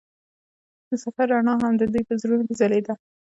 د سفر رڼا هم د دوی په زړونو کې ځلېده.